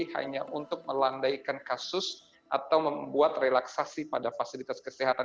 hanya untuk melandaikan kasus atau membuat relaksasi pada fasilitas kesehatan